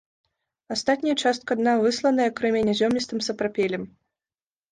Астатняя частка дна высланая крэменязёмістым сапрапелем.